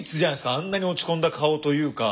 あんなに落ち込んだ顔というか。